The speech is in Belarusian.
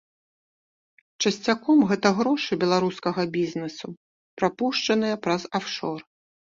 Часцяком гэта грошы беларускага бізнэсу, прапушчаныя праз афшор.